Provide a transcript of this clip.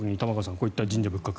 こういった神社仏閣